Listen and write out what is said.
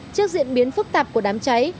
trước diễn biến phức tạp của đám cháy